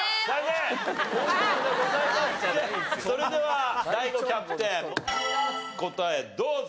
それではＤＡＩＧＯキャプテン答えどうぞ。